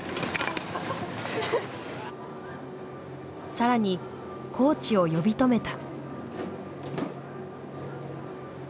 更にコーチを呼び止めた。